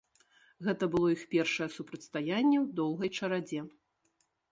Гэта было іх першае супрацьстаянне ў доўгай чарадзе.